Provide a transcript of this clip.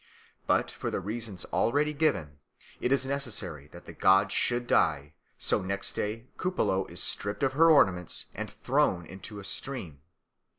But, for the reasons already given, it is necessary that the god should die; so next day Kupalo is stripped of her ornaments and thrown into a stream.